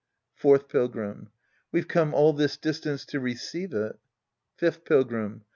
Fourth Pilgrim. We've come all this distance to receive it. Fifth Pilgrim.